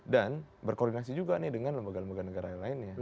berkoordinasi juga nih dengan lembaga lembaga negara lainnya